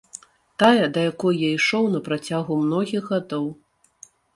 Тая, да якой я ішоў на працягу многіх гадоў.